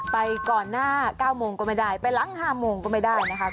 ไปก่อนหน้า๙โมงก็ไม่ได้ไปหลัง๕โมงก็ไม่ได้นะคะ